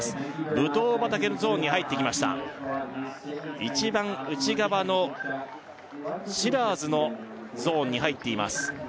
ぶどう畑のゾーンに入ってきました一番内側のシラーズのゾーンに入っています